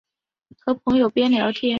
和朋友边聊天